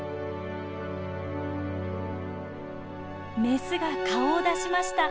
メスが顔を出しました。